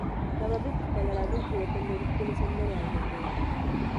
کبابي په خپله راډیو کې د وطن ډېرې ښکلې سندرې اورېدې.